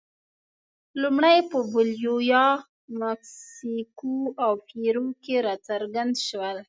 لومړی په بولیویا، مکسیکو او پیرو کې راڅرګند شول.